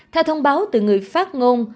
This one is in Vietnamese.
theo thông báo từ người phát ngôn